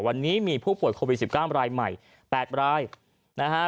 วันนี้มีผู้ปวดโควิดสิบก้าวรายใหม่แปดรายนะฮะ